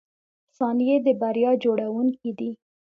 • ثانیې د بریا جوړونکي دي.